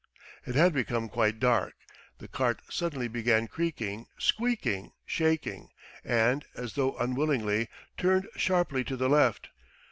..." It had become quite dark. The cart suddenly began creaking, squeaking, shaking, and, as though unwillingly, turned sharply to the left.